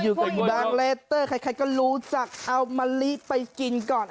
อยู่กับบังเลเตอร์ใครก็รู้จักเอามะลิไปกินก่อน